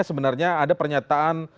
sebenarnya ada pernyataan